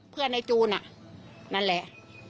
เพื่อนในจูนนั่นแหละ